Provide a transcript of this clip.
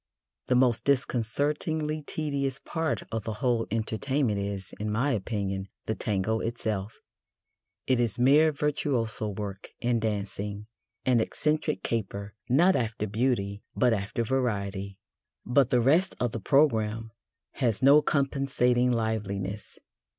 The most disconcertingly tedious part of the whole entertainment is, in my opinion, the Tango itself: it is mere virtuoso work in dancing an eccentric caper, not after beauty, but after variety. But the rest of the programme has no compensating liveliness.